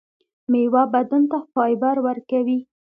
میوه بدن ته فایبر ورکوي